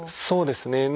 そうですね。